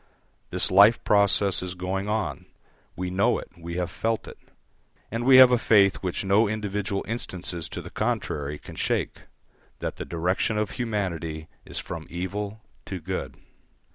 This life process is going on we know it, we have felt it; and we have a faith which no individual instances to the contrary can shake, that the direction of humanity is from evil to good.